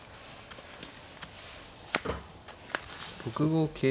６五桂。